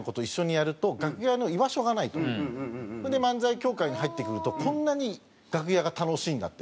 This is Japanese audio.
それで漫才協会に入ってくるとこんなに楽屋が楽しいんだって。